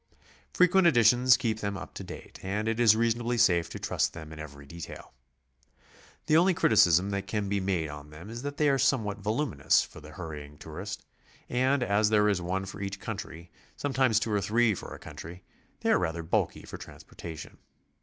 Fre quent editions keep them up to date, and it is reasonably safe to trust them in every detail. The only criticism that can be made on them is that they are somewhat voluminous for the hurrying tourist, and as there is one for each country, some times two or three for a country, they are rather bulky for transportation.